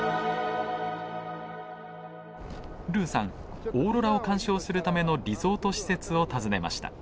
ルーさんオーロラを観賞するためのリゾート施設を訪ねました。